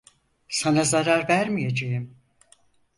Sana zarar vermeyeceğim.